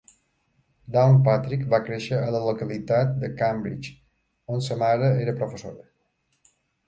Downpatrick va créixer a la localitat de Cambridge, on sa mare era professora.